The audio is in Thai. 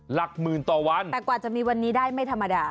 หลักหมื่นต่อวันแต่กว่าจะมีวันนี้ได้ไม่ธรรมดา